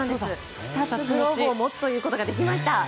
２つグローブを持つことができました。